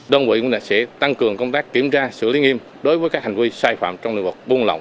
đơn vị cũng sẽ tăng cường công tác kiểm tra xử lý nghiêm đối với các hành vi sai phạm trong nền vật buôn lậu